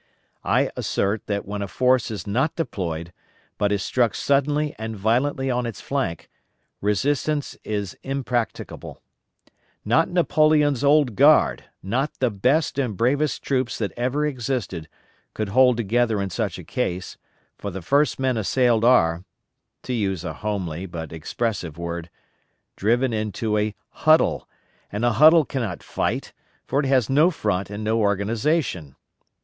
I assert that when a force is not deployed, but is struck suddenly and violently on its flank, resistance in impracticable. Not Napoleon's Old Guard, not the best and bravest troops that ever existed, could hold together in such a case, for the first men assailed are to use a homely but expressive word driven into a huddle; and a huddle cannot fight, for it has no front and no organization.